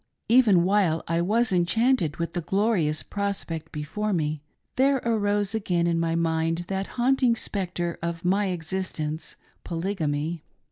Even while I was enchanted with the glorious prospect before me, there arose again in my mind that haunt ing spectre of my existence — Polygamy.